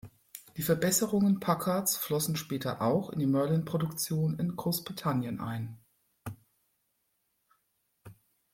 Die Verbesserungen Packards flossen später auch in die Merlin-Produktion in Großbritannien ein.